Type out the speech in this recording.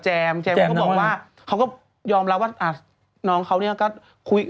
แจมเขาก็บอกว่าเขาก็ยอมรับว่าน้องเขาเนี่ยก็คุย